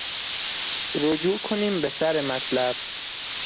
رجوع کنیم بسر مطلب